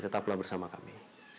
tetaplah bersama kami